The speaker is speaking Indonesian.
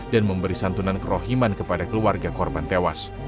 dan memberi santunan kerohiman kepada keluarga korban tewas